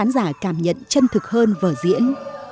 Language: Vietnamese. giả cảm nhận chân thực hơn vở diễn